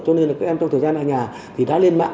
cho nên là các em trong thời gian ở nhà thì đã lên mạng